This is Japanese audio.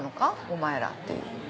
お前らっていう。